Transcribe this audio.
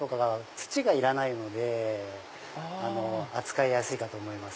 土がいらないので扱いやすいかと思います。